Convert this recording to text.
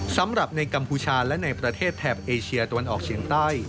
สำหรับในกัมพูชาและในประเทศแถบเอเชียตะวันออกเฉียงใต้